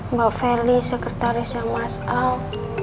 mbak felicia sekretaris yang masal